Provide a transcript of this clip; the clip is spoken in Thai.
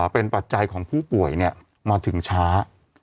เป็นปัจจัยของผู้ป่วยมาถึงช้า